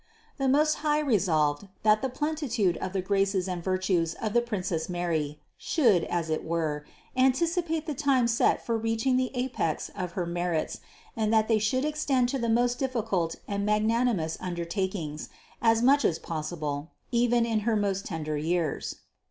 665. The Most High resolved, that the plenitude of the graces and virtues of the princess Mary should, as it were, anticipate the time set for reaching the apex of her merits, and that they should extend to the most difficult and magnanimous undertakings, as much as possible, even in her most tender years.